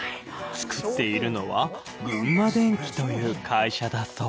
作っているのは群馬電機という会社だそう。